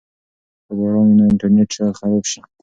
که باران وي نو انټرنیټ شاید خراب شي.